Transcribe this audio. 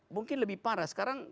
mungkin lebih parah sekarang